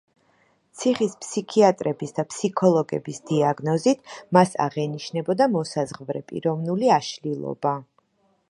ციხის ფსიქიატრების და ფსიქოლოგების დიაგნოზით მას აღენიშნებოდა მოსაზღვრე პიროვნული აშლილობა.